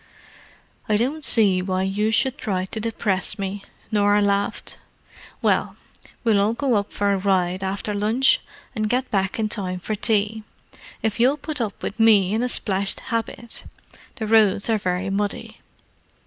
"I don't see why you should try to depress me," Norah laughed. "Well, we'll all go for a ride after lunch, and get back in time for tea, if you'll put up with me in a splashed habit—the roads are very muddy.